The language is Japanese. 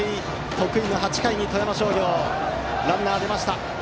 得意の８回に富山商業ランナーが出ました。